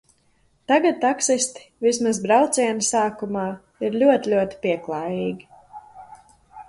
Tagad taksisti, vismaz brauciena sākumā, ir ļoti, ļoti pieklājīgi.